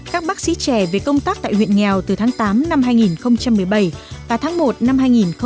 các bác sĩ trẻ về công tác tại huyện nghèo từ tháng tám năm hai nghìn một mươi bảy và tháng một năm hai nghìn một mươi tám